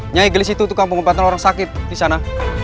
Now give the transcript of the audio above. nyigelis itu tuh kampung kebantuan orang sakit disana